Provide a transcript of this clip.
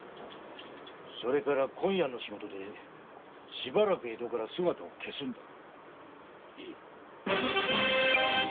それから今夜の仕事でしばらく江戸から姿を消すんだ。